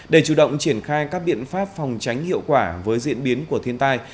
để chủ động triển khai các biện pháp phòng tránh hiệu quả với diễn biến của thiên tai